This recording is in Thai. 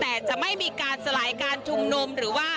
แต่จะไม่มีการสลายการชุมนุม